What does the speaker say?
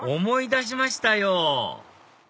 思い出しましたよ！